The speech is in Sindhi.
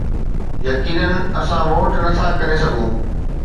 يقينن اسان ووٽ نه ٿا ڪري سگهون